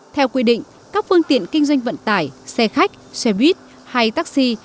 theo quy định các phương tiện kinh doanh vận tải xe khách xe buýt hay taxi